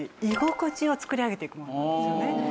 居心地を作り上げていくものなんですよね。